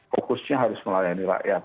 fokusnya harus melayani rakyat